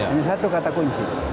ini satu kata kunci